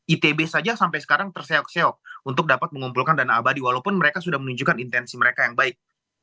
itb saja sampai sekarang terseok seok untuk dapat mengumpulkan dana abadi walaupun mereka sudah menunjukkan intensi mereka yang baik